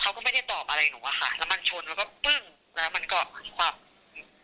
เขาก็ไม่ได้ตอบอะไรหนูว่าค่ะแล้วมันชนแล้วก็ปึ้งแล้วมันก็คือหนูว่าไปกลับบ้านกับกรุงเทพมาสุขดีอะพี่